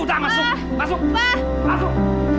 jangan sambut tryin